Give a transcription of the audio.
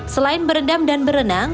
selain beredam dan berenang